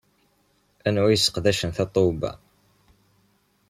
Anwa ay yesseqdacen Tatoeba?